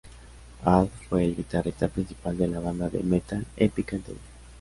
Ad fue el guitarrista principal de la banda de metal Epica anterior.